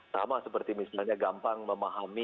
sama seperti misalnya gampang memahami